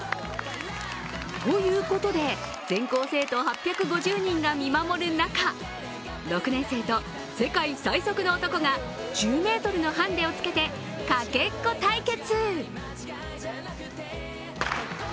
ということで、全校生徒８５０人が見守る中、６年生と世界最速の男が１０ｍのハンデをつけてかけっこ対決。